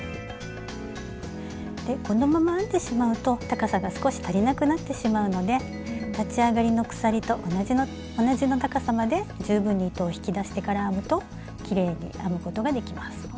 このまま編んでしまうと高さが少し足りなくなってしまうので立ち上がりの鎖と同じ高さまで十分に糸を引き出してから編むときれいに編むことができます。